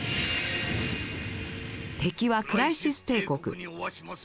敵はクライシス帝国。